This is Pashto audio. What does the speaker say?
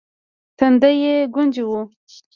تندی يې ګونجې و.